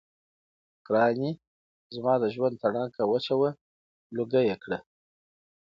ګراني! زما د ژوند تڼاكه وچووه لوګـى يـې كړه